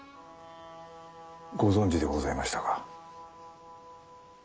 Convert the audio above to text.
ご存じでございましたか？